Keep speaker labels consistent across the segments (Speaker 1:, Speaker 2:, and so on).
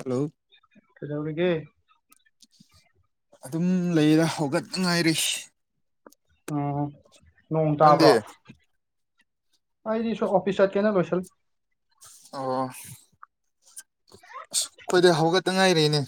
Speaker 1: hello
Speaker 2: ꯀꯔ ꯍꯧꯅꯤꯒ
Speaker 1: ꯑꯗꯨꯝ ꯂꯩꯔ ꯍꯧꯒꯠꯉꯥꯏꯔꯤ
Speaker 2: ꯎꯝ ꯅꯣꯡ ꯇꯥꯕ꯭ꯔꯣ
Speaker 1: ꯅꯪꯗꯤ
Speaker 2: ꯑꯩꯗꯤꯁ ꯑꯣꯐꯤꯁ ꯀꯩꯅ ꯀꯣꯏꯁ
Speaker 1: ꯑꯣ ꯑꯁ ꯑꯩꯈꯣꯏꯗꯤ ꯍꯧꯒꯠꯇ ꯉꯥꯏꯔꯏꯅꯦ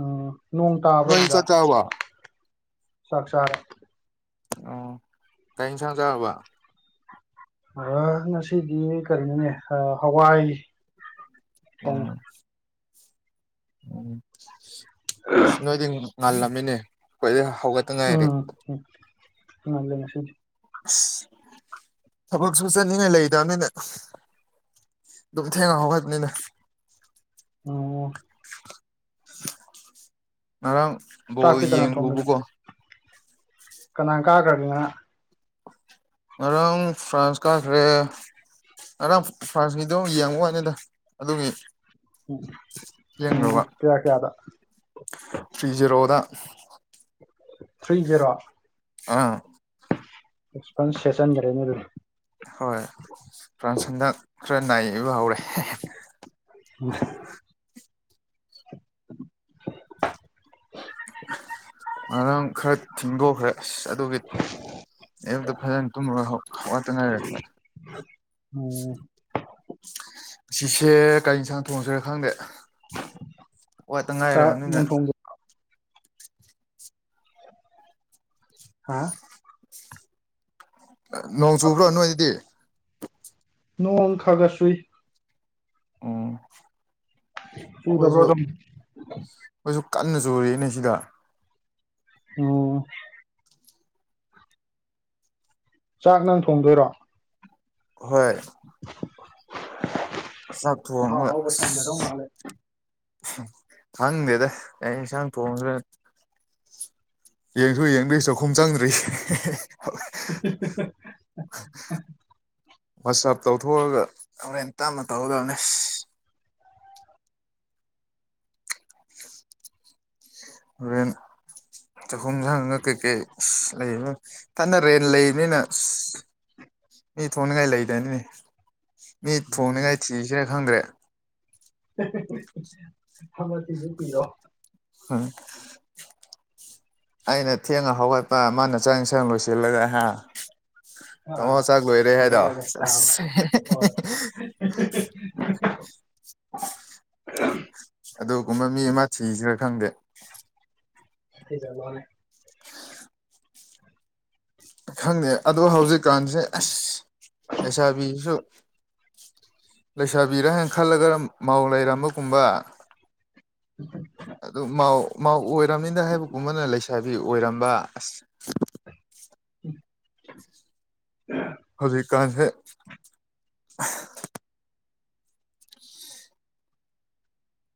Speaker 2: ꯎꯝ ꯅꯣꯡ ꯇꯥꯕ꯭ꯔꯥꯖ
Speaker 1: ꯆꯥꯛ ꯆꯥꯔꯕ
Speaker 2: ꯁꯥꯁꯥꯔ
Speaker 1: ꯑꯣ ꯇꯥꯏ ꯏꯁꯥꯡꯖꯕ
Speaker 2: ꯑ ꯉꯁꯤꯗꯤ ꯀꯔꯤꯅꯣꯅꯦ ꯍꯋꯥꯏ ꯎꯝ
Speaker 1: ꯎꯝ ꯁꯤ ꯅꯣꯏꯗꯤ ꯉꯥꯜꯂꯝꯃꯤꯅꯦ ꯑꯩꯈꯣꯏꯗꯤ ꯍꯧꯒꯠꯇ ꯉꯥꯏꯔꯤ
Speaker 2: ꯎꯝ ꯎꯝ ꯁꯤ
Speaker 1: ꯊꯕꯛꯁꯨ ꯆꯠꯅꯤꯡꯉꯥꯏ ꯂꯩꯗꯕꯅꯤꯅ ꯑꯗꯨ ꯊꯦꯡꯅ ꯍꯧꯒꯠꯅꯤꯅ
Speaker 2: ꯑꯣ
Speaker 1: ꯉꯔꯥꯡꯕꯨꯣ ꯌꯦꯡꯉꯕꯨꯀꯣ
Speaker 2: ꯀꯅꯥꯥꯡ ꯀꯥ ꯀꯠꯂ
Speaker 1: ꯉꯔꯥꯡ ꯐ꯭ꯔꯥꯟꯁ ꯀꯥꯈ꯭ꯔꯦ ꯉꯔꯥꯡ ꯐ꯭ꯔꯥꯟꯁꯀꯤ ꯑꯗꯨꯣ ꯌꯦꯡꯉꯨ ꯋꯥꯅꯤꯗ ꯑꯗꯨꯒꯤ ꯌꯦꯡꯨꯕ
Speaker 2: ꯎꯝ ꯀꯌꯥ ꯀꯌꯥꯗ
Speaker 1: ꯊ꯭ꯔꯤ ꯖꯦꯔꯣꯗ [unintelligible] [inaudible]
Speaker 2: ꯊ꯭ꯔꯤ ꯖꯦꯔꯣ
Speaker 1: ꯑꯥ
Speaker 2: ꯔꯁꯄꯣꯟꯁ ꯁꯦꯁꯟꯗꯔꯦꯅꯦ
Speaker 1: ꯍꯣꯏ ꯐ꯭ꯔꯥꯟꯁꯟꯗ ꯈꯔ ꯅꯥꯏꯕ ꯍꯧꯔꯦ
Speaker 2: ꯑ
Speaker 1: ꯉꯥꯡ ꯈꯔ ꯊꯤꯡꯗꯣꯛꯈ꯭ꯔꯦ ꯑꯁ ꯑꯗꯨꯒꯤ ꯑꯕꯇ ꯐꯖꯅ ꯇꯨꯝꯃꯒ ꯋꯥꯠꯇꯅꯔꯦ ꯈ
Speaker 2: ꯎꯝ
Speaker 1: ꯁꯤꯁꯦ ꯀꯔꯤ ꯌꯦꯟꯁꯥꯡ ꯊꯣꯡꯁꯤꯔꯦ ꯈꯪꯗꯦ ꯋꯥꯇ ꯉꯥꯏꯔ
Speaker 2: ꯆꯥꯛ
Speaker 1: ꯅꯅꯤꯅ
Speaker 2: ꯅꯪ ꯊꯣꯡꯗꯣꯏ ꯍꯥꯥ
Speaker 1: ꯅꯣꯡ ꯆꯨꯕ꯭ꯔꯣ ꯅꯣꯏꯗꯗꯤ
Speaker 2: ꯅꯣꯡ ꯈꯥꯒꯁꯨꯏ
Speaker 1: ꯎꯝ
Speaker 2: ꯆꯨ
Speaker 1: ꯑꯩꯈꯣꯏꯁꯨ
Speaker 2: [unintelligible]
Speaker 1: ꯑꯩꯈꯣꯏꯁꯨ ꯀꯟꯅ ꯆꯨꯔꯤꯅꯦ ꯁꯤꯗ
Speaker 2: ꯑꯣ ꯆꯥꯛ ꯅꯪ ꯊꯣꯡꯗꯣꯏꯔꯣ
Speaker 1: ꯍꯣꯏ
Speaker 2: ꯑꯍꯥꯎ
Speaker 1: ꯆꯥꯛꯊ‌ꯣꯡꯕ
Speaker 2: ꯑꯍꯥꯎꯕ ꯊꯣꯡꯒꯗꯧ ꯃꯥꯜꯂꯦ
Speaker 1: ꯑꯁ ꯈꯪꯗꯦꯗ ꯀꯩ ꯏꯡꯁꯥꯡ ꯊꯣꯡꯕ꯭ꯔꯦ ꯌꯦꯡꯁꯨ ꯌꯦꯡꯗꯣꯏ ꯆꯥꯛꯈꯨꯝ ꯆꯪꯗ꯭ꯔꯤ
Speaker 2: [unintelligible]
Speaker 1: ꯋꯥꯆꯞ ꯇꯧꯊꯣꯛꯑꯒ ꯍꯣꯔꯦꯟ ꯇꯞꯅ ꯇꯧꯒꯗꯕꯅꯤ ꯑꯗꯨꯦꯟ ꯆꯍꯨꯝ ꯌꯥꯪꯉꯒ ꯀꯩꯀꯩ ꯂꯩ ꯐꯅ ꯔꯦꯟ ꯂꯩꯕꯅꯤꯅ ꯃꯤ ꯊꯣꯡꯅꯤꯡꯉꯥꯏ ꯂꯩꯗꯅꯤꯅꯤ ꯃꯤ ꯊꯣꯡꯅꯤꯡꯉꯥꯏ ꯊꯤꯁꯤꯔꯦ ꯈꯪꯗ꯭ꯔꯦ
Speaker 2: ꯇ ꯂꯣ
Speaker 1: ꯎꯝ ꯑꯩꯅ ꯊꯦꯡꯉ ꯍꯧꯒꯠꯄ ꯃꯥꯅ ꯆꯪ ꯌꯦꯟꯁꯥꯡ ꯂꯣꯏꯁꯤꯜꯂꯒ ꯍꯥ ꯇꯃꯣ
Speaker 2: ꯑꯥ
Speaker 1: ꯆꯥꯛꯣꯏꯔꯦ ꯍꯥꯏꯦꯗ
Speaker 2: ꯍꯧꯒꯠꯂꯒ
Speaker 1: ꯆꯦ
Speaker 2: ꯆꯥꯕ ꯍꯣꯏ [unintelligible]
Speaker 1: ꯑꯗꯨꯒꯨꯝꯕ ꯃꯤ ꯑꯃ ꯊꯤꯁꯤ ꯈꯔꯥ ꯈꯪꯗꯦ
Speaker 2: ꯆꯂꯅꯦ
Speaker 1: ꯈꯪꯗꯦ ꯑꯗꯨ ꯍꯧꯖꯤꯛꯀꯥꯟꯁꯦ ꯑꯁ ꯑꯦꯁ ꯑꯥꯔ ꯕꯤꯁꯨ ꯂꯩꯁꯥꯕꯤꯔ ꯍꯥꯏꯅ ꯈꯜꯂꯒ ꯃꯥꯎ ꯂꯩꯔꯝꯕꯒꯨꯝꯕ
Speaker 2: ꯎ
Speaker 1: ꯑꯗꯨꯎ ꯑꯣꯏꯔꯝꯅꯤꯗ ꯍꯥꯏꯕꯒꯨꯝꯕꯅ ꯂꯩꯁꯥꯕꯤ ꯑꯣꯏꯔꯝꯕ ꯑꯁ
Speaker 2: ꯑ
Speaker 1: ꯍꯧꯖꯤ ꯀꯥꯟ ꯍ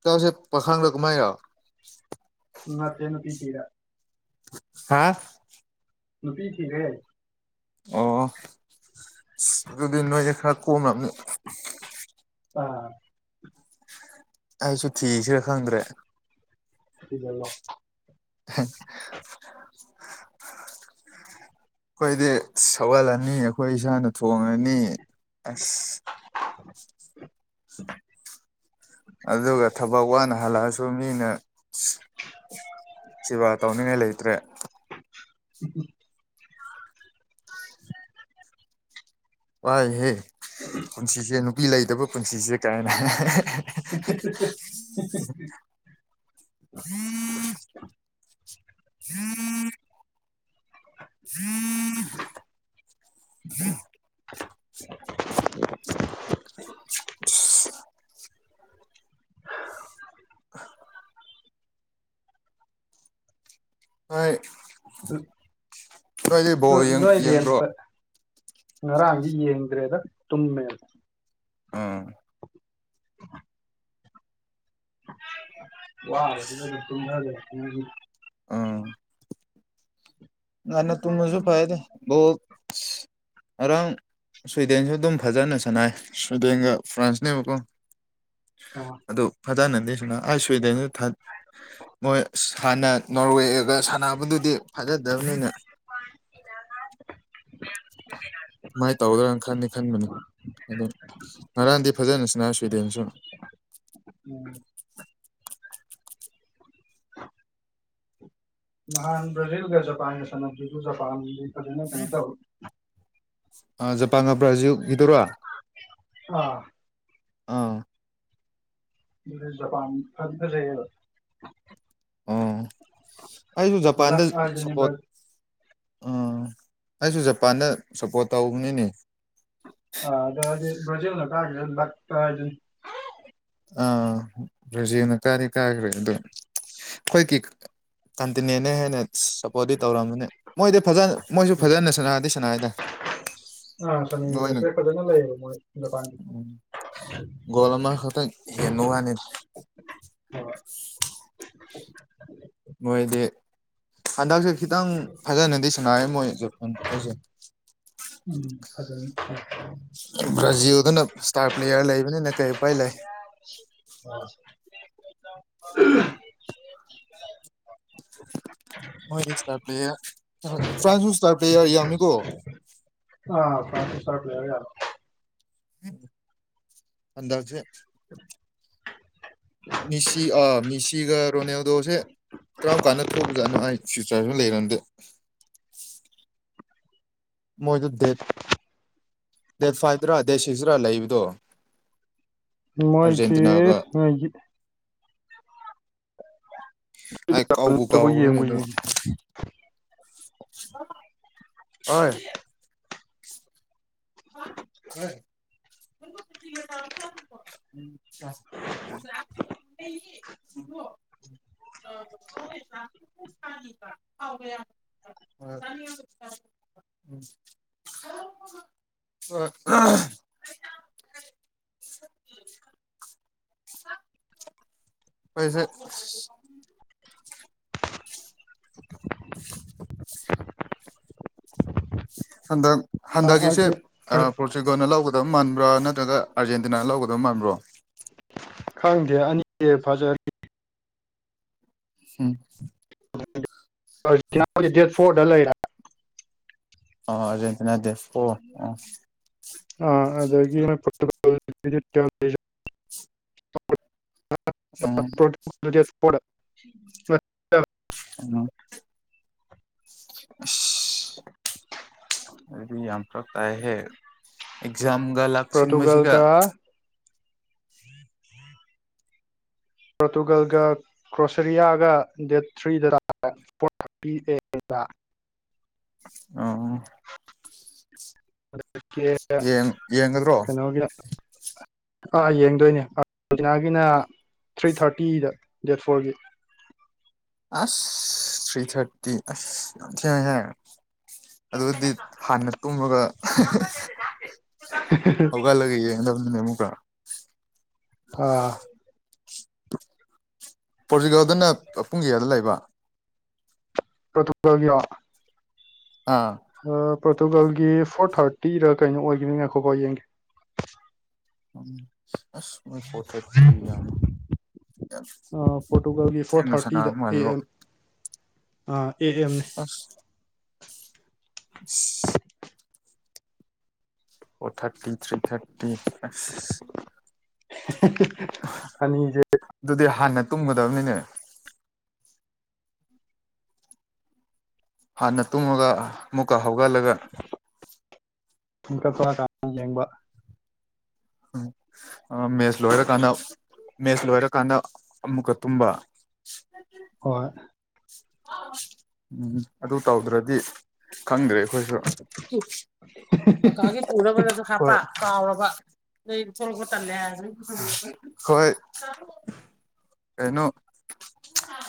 Speaker 1: ꯀꯁꯦ ꯄꯈꯥꯡꯒꯂ ꯀꯃꯥꯏ ꯌꯥ
Speaker 2: ꯉꯠꯇ ꯅꯨꯄꯤ ꯊꯔ
Speaker 1: ꯍꯥꯥ
Speaker 2: ꯅꯨꯄꯤ ꯊ
Speaker 1: ꯑꯣ ꯑꯗꯨꯗꯤ ꯅꯣꯏꯁꯦ ꯈꯔ ꯀꯣꯝꯅꯤ
Speaker 2: ꯑꯥ
Speaker 1: ꯑꯩꯁꯨ ꯊꯤꯁꯤꯔ ꯈꯪꯗ꯭ꯔꯦ
Speaker 2: ꯐꯖꯂ
Speaker 1: [unintelligible] ꯑꯩꯈꯣꯏꯗꯤ ꯁꯧꯍꯜꯂꯅꯤ ꯑꯩꯈꯣꯏ ꯏꯁꯥꯅ ꯊꯣꯡꯉꯅꯤ ꯑꯁ
Speaker 2: [unintelligible]
Speaker 1: ꯑꯗꯨꯒ ꯊꯕꯛ ꯋꯥꯅ ꯍꯜꯂꯛꯑꯁꯨ ꯃꯤꯅ ꯁꯦꯕꯥ ꯇꯧꯅꯤꯡꯉꯥꯏ ꯂꯩꯇ꯭ꯔꯦ
Speaker 2: ꯎꯝ
Speaker 1: ꯋꯥꯏꯍꯦ ꯄꯨꯟꯁꯤꯁꯦ ꯅꯨꯄꯤ ꯂꯩꯇꯕ ꯄꯨꯟꯁꯤꯁꯦ ꯀꯥꯏꯅ ꯍꯥꯏꯦ
Speaker 2: [unintelligible]
Speaker 1: ꯎꯝ ꯎꯝ ꯎꯝ [unintelligible] ꯍꯣꯏ ꯅꯣꯏꯗꯤ
Speaker 2: ꯎ
Speaker 1: ꯕꯣꯜ
Speaker 2: ꯂꯣꯏꯗꯤꯟ
Speaker 1: ꯌꯦꯡꯕ꯭ꯔꯣ
Speaker 2: ꯉꯔꯥꯡꯁꯤ ꯌꯦꯡꯈ꯭ꯔꯦꯗ ꯇꯨꯝꯃꯦ
Speaker 1: ꯎꯝ [unintelligible]
Speaker 2: ꯋꯥ ꯊꯗ
Speaker 1: ꯉꯅ ꯇꯨ ꯃꯁꯨ ꯐꯥꯏꯗ ꯔꯪ ꯁ꯭ꯋꯤꯗꯦꯟꯁꯨ ꯑꯗꯨꯝ ꯐꯖꯅ ꯁꯥꯟꯅꯏ ꯁ꯭ꯋꯤꯗꯦꯟꯒ ꯐ꯭ꯔꯥꯟꯁꯅꯦꯕꯀꯣ
Speaker 2: ꯑꯥ
Speaker 1: ꯑꯗ ꯐꯖꯅꯟꯗꯦꯁꯤꯅ ꯑꯩ ꯁ꯭ꯋꯤꯗꯦꯟꯗ ꯊ ꯃꯣꯏ ꯍꯥꯟꯅ ꯅꯣꯔꯋꯦ ꯁꯥꯟꯅꯕꯗꯨꯗꯤ ꯐꯖꯗꯕꯅꯤꯅ ꯃꯥꯏ ꯇꯧꯒꯗ꯭ꯔꯥꯅ ꯈꯅꯤ ꯈꯟꯕꯅ ꯑꯗꯨ ꯉꯔꯥꯟꯗꯤ ꯐꯖꯅꯁꯤꯅ ꯁ꯭ꯋꯤꯗꯦꯟꯁꯨ
Speaker 2: ꯎꯝ
Speaker 1: [unintelligible]
Speaker 2: ꯃꯥꯟ ꯭ꯔꯥꯖꯤꯜꯒꯖꯄꯥꯟ ꯁꯖꯄꯥꯟ ꯀꯅ ꯀꯩꯅ ꯇ
Speaker 1: ꯖꯄꯥꯟ ꯉꯄ꯭ꯔꯥꯁꯨ ꯏꯗꯣꯏꯔꯣ ꯑꯥ
Speaker 2: ꯑꯥ ꯄꯥꯟ ꯐꯒꯁ
Speaker 1: ꯑꯣ ꯑꯩꯁꯨ ꯖꯄꯥꯟꯗ
Speaker 2: ꯂꯛ ꯍꯥꯏꯗꯨꯅꯤ
Speaker 1: ꯁꯄꯣꯠ ꯎꯝ ꯑꯩꯁꯨ ꯖꯄꯥꯟꯗ ꯁꯞꯄꯣꯔꯠ ꯇꯧꯕꯅꯤꯅꯦ
Speaker 2: ꯑ ꯑꯗ ꯑꯗꯨ ꯔꯖꯤꯅ ꯀꯒ ꯑꯗꯨ
Speaker 1: ꯑ ꯔꯔꯤꯖꯅ ꯀꯥꯔꯤ ꯀꯥꯈ꯭ꯔꯦ ꯑꯗꯨ ꯑꯩꯈꯣꯏꯒꯤ ꯀꯟꯇꯤꯅꯦꯟꯅ ꯍꯦꯟꯅ ꯁꯞꯄꯣꯔꯠꯇꯗꯤꯤ ꯇꯧꯔꯝꯕꯅꯤ ꯃꯣꯏꯗꯤ ꯐꯖꯅ ꯃꯣꯏꯁꯨ ꯐꯖꯅ ꯁꯅꯥꯗꯦ ꯁꯅꯏꯗ
Speaker 2: ꯑ ꯁꯅꯤ ꯔꯦꯁꯦ ꯄꯗꯅ ꯂꯩ ꯃ ꯄꯥꯤ
Speaker 1: ꯣꯂꯃ ꯈꯇ ꯍꯦꯅ ꯋꯥꯅꯤ ꯃꯣꯏꯗꯤ ꯍꯟꯗꯛꯁꯦ ꯈꯤꯇꯪ ꯐꯖꯅꯗꯤ ꯁꯅꯥꯔꯦ ꯃꯣꯏ ꯖꯣꯟ ꯃꯣꯏꯁꯦ
Speaker 2: ꯎꯝ ꯐꯖ
Speaker 1: ꯕ꯭ꯔꯥꯖꯤꯜꯗꯨꯅ ꯏꯁꯇꯥꯔ ꯄ꯭ꯂꯦꯌꯥꯔ ꯂꯩꯕꯅꯤꯅ ꯀꯩ ꯎꯄꯥꯏ ꯂꯩ [unintelligible] [unintelligible] ꯃꯣꯏ ꯏꯁ ꯄ꯭ꯂꯔ ꯐ꯭ꯔꯥꯟꯁ ꯏꯁꯇꯥꯔ ꯄ꯭ꯂꯦꯌꯔ ꯌꯥꯃꯤ ꯀꯧꯕꯣ
Speaker 2: ꯑ ꯐ ꯁꯔ ꯄꯔ ꯌꯥꯔ
Speaker 1: ꯑꯗꯦ
Speaker 2: ꯎ
Speaker 1: ꯃꯤꯁꯤ ꯑꯥ ꯃꯤꯁꯤꯒ ꯔꯣꯅꯦꯜꯗꯣꯁꯦ ꯀꯔꯝ ꯀꯥꯟꯗ ꯊꯣꯛꯎꯖꯥꯠꯅꯣ ꯑꯩ ꯐ꯭ꯌꯨꯆꯔ ꯏꯔꯟ ꯃꯣꯏꯗ ꯗꯦꯠ ꯗꯦꯠ ꯐꯥꯏꯚꯇꯔꯥ ꯗꯦꯠ ꯁꯤꯛꯁꯇꯔꯥ ꯂꯩꯕꯗꯣ
Speaker 2: ꯃꯥꯏꯒꯤꯦ
Speaker 1: ꯑꯥꯔꯖꯦꯟꯇꯤꯅꯥꯒ
Speaker 2: ꯃꯥꯏꯒꯤ
Speaker 1: ꯑꯩ ꯀꯥꯎꯕ
Speaker 2: ꯇꯕꯨ
Speaker 1: ꯀꯥꯎꯅꯤꯅꯦ
Speaker 2: ꯌꯦꯡꯕꯨ
Speaker 1: ꯑꯗꯨꯣ ꯑ ꯍ ꯎ ꯥ [unintelligible] ꯎꯝ ꯑ ꯄꯩꯁꯥ
Speaker 2: [unintelligible]
Speaker 1: ꯍꯟꯗꯛ ꯍꯟꯗꯛꯀꯤꯁꯦ
Speaker 2: ꯌꯦꯡꯉꯤ
Speaker 1: ꯄꯣꯔꯆꯨꯒꯜꯅ ꯂꯧꯒꯗ ꯑꯗꯨꯝ ꯃꯥꯟꯕ꯭ꯔꯥ ꯅꯠꯇ꯭ꯔꯒ ꯑꯥꯔꯖꯦꯟꯇꯤꯅꯥꯅ ꯂꯧꯒꯗꯕ ꯃꯥꯟꯕ꯭ꯔꯣ
Speaker 2: ꯈꯪꯗꯦ ꯑꯅꯤꯗꯤꯦ ꯐꯖ
Speaker 1: ꯎꯝ
Speaker 2: ꯗꯦꯠ ꯐꯣꯔꯗ ꯂꯩꯔ
Speaker 1: ꯑ
Speaker 2: ꯑ ꯗꯒꯤ
Speaker 1: ꯑ
Speaker 2: ꯄꯨ
Speaker 1: ꯑ ꯑꯗꯨꯗꯤ ꯌꯥꯝ ꯐꯛꯛꯇ ꯍꯦ ꯖꯝꯒ ꯂꯥꯛꯁꯤꯟꯕꯁꯤꯒ
Speaker 2: ꯄꯣꯔꯇꯨꯒꯜꯒ ꯄꯣꯔꯇꯨꯒꯜꯒ ꯀ꯭ꯔꯣꯁꯔꯤꯌꯥꯒ ꯗꯦꯠ ꯊ꯭ꯔꯤꯗ ꯀ
Speaker 1: ꯑꯣ
Speaker 2: ꯦ
Speaker 1: ꯌꯦꯡ ꯌꯦꯡꯒꯗ꯭ꯔꯣ
Speaker 2: ꯀꯩꯅꯣꯒ ꯑꯥ ꯌꯦꯡꯗꯣꯏꯅꯦꯅꯥꯒꯤꯅ ꯊ꯭ꯔꯤ ꯊꯥꯔꯇꯤꯗ ꯗꯦꯠ ꯐꯣꯔꯒꯤ
Speaker 1: ꯑꯁ ꯊ꯭ꯔꯤ ꯊꯥꯔꯇꯤ ꯑꯁ ꯍꯦ ꯍꯦ ꯑꯗꯨꯗꯤ ꯍꯥꯟꯅ ꯇꯨꯝꯃꯒ ꯍꯧꯒꯂꯒꯩꯌꯦꯃꯨ ꯀ
Speaker 2: ꯑꯥ
Speaker 1: ꯄꯣꯔꯇꯨꯒꯜꯗꯅ ꯄꯨꯡ ꯀꯌꯥꯗ ꯂꯩꯕ
Speaker 2: ꯀ ꯇꯒꯣ
Speaker 1: ꯑꯥ
Speaker 2: ꯄꯣꯔꯇꯨꯒꯥꯜꯒꯤ ꯐꯣꯔ ꯊꯥꯔꯇꯤꯗ ꯀꯩꯅꯣ ꯑꯣꯏꯒꯅꯤꯅꯈꯣꯀꯣ ꯌꯦꯡꯒꯦ
Speaker 1: ꯑꯁ ꯃ ꯐꯣꯇꯣ ꯌꯥꯅꯤ
Speaker 2: ꯑ ꯄꯣꯔꯇꯨꯒꯜꯒꯤ ꯐꯣꯔ
Speaker 1: ꯊꯅ ꯁꯅꯥ ꯃꯥꯜꯕ
Speaker 2: ꯑꯥ ꯑꯦ ꯑꯦꯝꯅꯤ
Speaker 1: ꯑꯣ ꯊꯥꯔꯇꯤ ꯊ꯭ꯔꯤ ꯊꯥꯔꯇꯤ
Speaker 2: ꯑꯅꯤꯖꯦ
Speaker 1: ꯑꯗꯨꯗꯤ ꯍꯥꯟꯅ ꯇꯨꯝꯒꯗꯕꯅꯤꯅꯦ ꯍꯥꯟꯅ ꯇꯨꯝꯉꯒ ꯑꯃꯨꯛꯀ ꯍꯧꯒꯠꯂꯒ
Speaker 2: ꯨꯡꯀ ꯀ ꯀ ꯌꯦꯡꯕ
Speaker 1: ꯎ ꯃꯦꯁ ꯂꯣꯏꯔ ꯀꯥꯟꯗ ꯃꯦꯁ ꯂꯣꯏꯔꯀꯥꯟꯗ ꯑꯃꯨꯛꯀ ꯇꯨꯝꯕ
Speaker 2: ꯍꯣꯏ
Speaker 1: ꯎꯝ ꯑꯗꯨ ꯇꯧꯗ꯭ꯔꯗꯤ ꯈꯪꯗ꯭ꯔꯦ ꯀꯀꯥꯒꯤ ꯄꯨꯔꯕꯅꯁꯨ ꯍꯥꯄ ꯀꯥꯎꯔꯕ ꯐ ꯇ ꯍꯣꯏ ꯀꯩꯅꯣ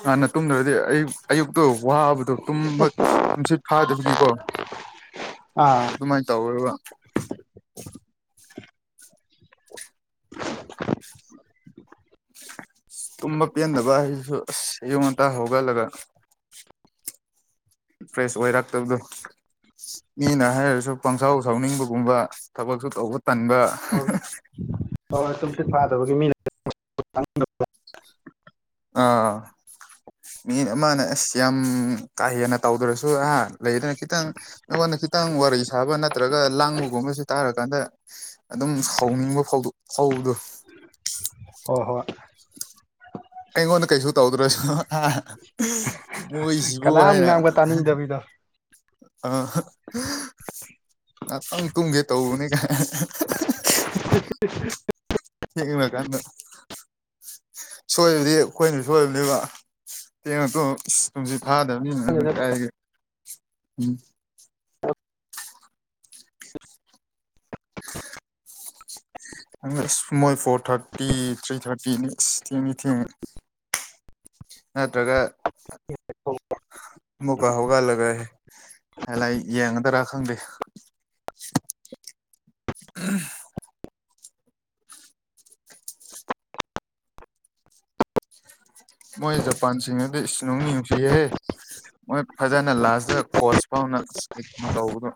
Speaker 1: ꯍꯥꯟꯅ ꯇꯨꯝꯗ꯭ꯔꯗꯤ ꯑꯩ ꯑꯌꯨꯛꯇꯣ ꯋꯥꯕꯗꯣ ꯇꯨꯝ ꯨꯝꯁꯤꯠ ꯐꯥꯗꯕꯤꯕꯤꯀꯣ
Speaker 2: ꯑꯥ
Speaker 1: ꯑꯗꯨꯃꯥꯏꯅ ꯇꯧꯔꯤꯕ
Speaker 2: [unintelligible] [inaudible] [unintelligible] [inaudible]
Speaker 1: ꯇꯨꯝꯕ ꯄꯦꯟꯗꯕ ꯍꯥꯏꯁꯨ ꯑꯁ ꯑꯌꯨꯝ ꯉꯇꯥ ꯍꯧꯒꯠꯂꯒ ꯐ꯭ꯔꯦꯁ ꯑꯣꯏꯔꯛꯇꯕꯗꯣ ꯃꯤꯅ ꯍꯥꯏꯔꯁꯨ ꯄꯪꯁꯥꯎ ꯁꯥꯎꯅꯤꯡꯕꯒꯨꯝꯕ ꯊꯕꯛꯁꯨ ꯇꯧꯕ ꯇꯟꯕ
Speaker 2: ꯑ ꯍ ꯇ ꯐꯔ ꯇ ꯃꯤ
Speaker 1: ꯑꯥ ꯃꯤ ꯑꯃꯅ ꯑꯁ ꯌꯥꯝ ꯀꯥ ꯍꯦꯟꯅ ꯇꯧꯗ꯭ꯔꯁꯨ ꯑꯥ ꯂꯩꯗꯅ ꯈꯤꯇꯪ ꯑꯩꯉꯣꯟꯗ ꯈꯤꯇꯪ ꯋꯥꯔꯤ ꯁꯥꯕ ꯅꯠꯇ꯭ꯔꯒ ꯂꯥꯡꯕꯒꯨꯝꯕꯕꯁꯤ ꯇꯥꯔꯀꯥꯟꯗ ꯑꯗꯨꯝ ꯁꯥꯎꯅꯤꯡꯕ ꯐꯥꯎ ꯍꯧꯗ
Speaker 2: ꯍ ꯍꯣꯏ
Speaker 1: ꯑꯩꯉꯣꯟꯗ ꯀꯩꯁꯨ ꯇꯧꯗ꯭ꯔꯁꯨ ꯃꯣꯏꯁꯤꯕꯨ
Speaker 2: ꯀꯅꯥꯝ
Speaker 1: ꯍꯥꯏꯅ
Speaker 2: ꯉꯥꯡꯕ ꯇꯥꯅꯤꯡꯗꯕꯤꯗꯣ
Speaker 1: ꯑ ꯉꯥꯛꯇꯪ ꯇꯨꯝꯒꯦ ꯇꯧꯕꯅꯦ ꯀꯥꯏ ꯍ ꯀꯗ ꯁꯣꯏꯕꯗꯤ ꯑꯩꯈꯣꯏꯅ ꯁꯣꯏꯕꯅꯦꯕ ꯇꯦꯡꯉꯛꯇꯨ ꯇꯨꯝꯁꯤ ꯐꯥꯗ [inaudible] ꯀ um ꯏꯁꯃꯜ four thirty three thirty ꯅ ꯑꯦꯅꯤꯊꯤꯡ ꯅꯠꯇ꯭ꯔꯒ ꯃꯨꯀꯥ ꯍꯒꯂꯒꯦ ꯍꯂ ꯌꯦꯡꯒꯗ꯭ꯔꯥ ꯈꯪꯗꯦ [unintelligible] ꯃꯣꯏ ꯖꯄꯥꯟꯁꯤꯡ ꯑꯗꯨꯗꯤ ꯏꯁꯅꯨꯡ ꯅꯨꯡꯁꯤꯍꯦ ꯃꯣꯏ ꯐꯖꯅ ꯂꯥꯁꯇ ꯀꯣꯆ ꯐꯥꯎꯅꯅ ꯇꯧꯕꯗꯣ